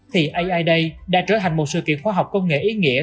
thì ai day đã trở thành một sự kiện khoa học công nghệ ý nghĩa